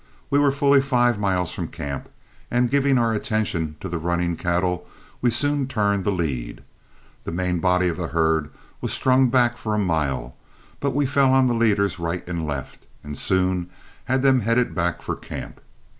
We were fully five miles from camp, and giving our attention to the running cattle we soon turned the lead. The main body of the herd was strung back for a mile, but we fell on the leaders right and left, and soon had them headed back for camp.